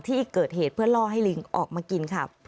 ที่เกิดเหตุเพื่อล่อให้ลิงออกมากินค่ะ